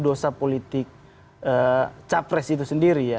dosa politik capres itu sendiri ya